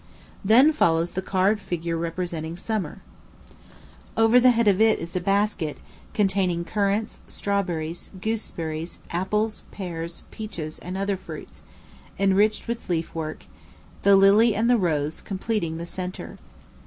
Then follows the carved figure representing Summer. Over the head of it is a basket, containing currants, strawberries, gooseberries, apples, pears, peaches, and other fruits, enriched with leaf work, the lily and the rose completing the centre.